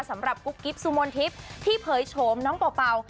สำหรับกุ๊กกิ๊บซูมนทิศที่เผยโฉมน้องเป่า